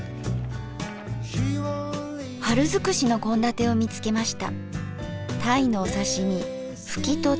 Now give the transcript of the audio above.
春づくしの献立を見つけました。